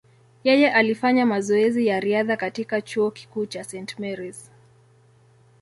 Yeye alifanya mazoezi ya riadha katika chuo kikuu cha St. Mary’s.